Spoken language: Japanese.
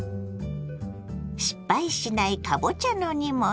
失敗しないかぼちゃの煮物。